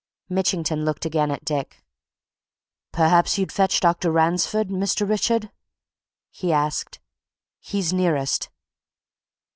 Mitchington looked again at Dick. "Perhaps you'd fetch Dr. Ransford, Mr Richard?" he asked. "He's nearest."